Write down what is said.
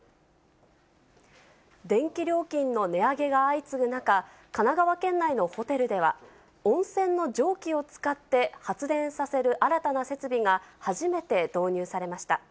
電気料金の値上げが相次ぐ中、神奈川県内のホテルでは、温泉の蒸気を使って発電させる新たな設備が、初めて導入されました。